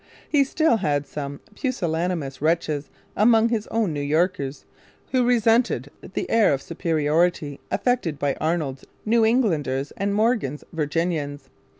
He still had some 'pusillanimous wretches' among his own New Yorkers, who resented the air of superiority affected by Arnold's New Englanders and Morgan's Virginians.